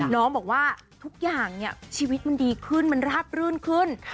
น้องบอกว่าทุกอย่างเนี่ยชีวิตมันดีขึ้นมันราบรื่นขึ้น